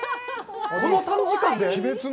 この短時間で？